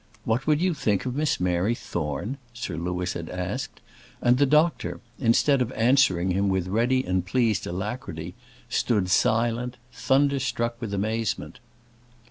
"What would you think of Miss Mary Thorne?" Sir Louis had asked; and the doctor, instead of answering him with ready and pleased alacrity, stood silent, thunderstruck with amazement.